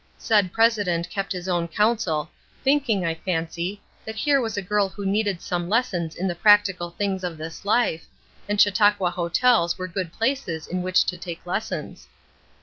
Said President kept his own counsel, thinking, I fancy, that here was a girl who needed some lessons in the practical things of this life, and Chautauqua hotels were good places in which to take lessons.